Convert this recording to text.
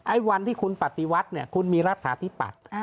ไอ้วันที่คุณปฏิวัติคุณมีรัฐฐานที่ปัด